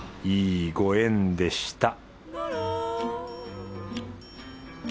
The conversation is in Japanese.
いいご縁でした